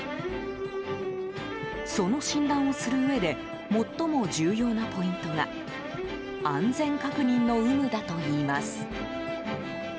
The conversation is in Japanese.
その診断をするうえで最も重要なポイントが安全確認の有無だといいます。